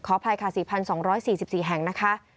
อภัยค่ะ๔๒๔๔แห่งนะคะ